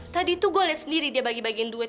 tadi tuh gua oleh sendiri dia bagi bagi duit